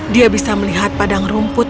dia bisa melihat padang rumput